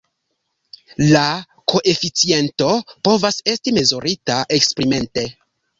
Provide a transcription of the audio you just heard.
La koeficiento povas esti mezurita eksperimente.